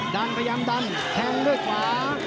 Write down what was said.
ดันพยายามดันแทงด้วยขวา